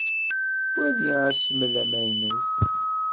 Wali asmel amaynut.